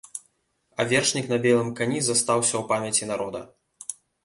А вершнік на белым кані застаўся ў памяці народа.